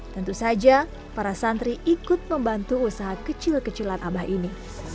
tentu saja para santri ikut membantu usaha kecil kecilan abah ini